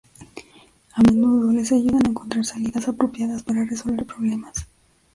A menudo les ayudan a encontrar salidas apropiadas para resolver problemas.